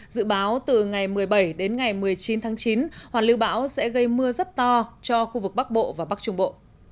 dự báo từ ngày một mươi bảy đến ngày một mươi chín tháng chín hoàn lưu bão sẽ gây mưa rất to cho khu vực bắc bộ và bắc trung bộ